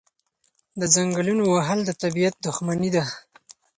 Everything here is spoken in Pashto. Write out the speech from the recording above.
د ځنګلونو وهل د طبیعت دښمني ده.